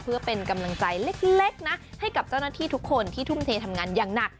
เพื่อเป็นกำลังใจเล็กนะให้กับเจ้าหน้าที่ทุกคนที่ทุ่มเททำงานอย่างหนัก